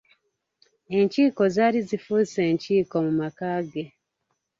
Enkiiko zaali zifuuse enkiiko mu maka ge.